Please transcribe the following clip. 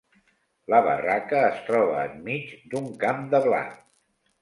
La barraca es troba enmig d'un camp de blat.